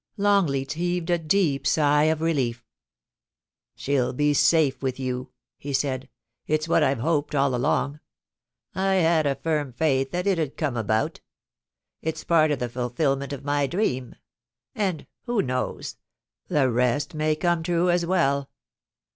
lx>ngleat heaved a deep sigh of relief. ' She'll be safe with you,' he said. ' It's what I've hoped «1I along. I had a firm faith that it 'ud come abouL It's I>art of the fulfilment of my dream — and, who knows ?— the rest may come true as well.